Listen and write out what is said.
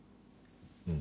うん。